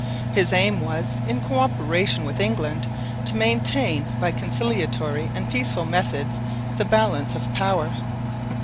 His aim was, in co operation with England, to maintain by conciliatory and peaceful methods the balance of power.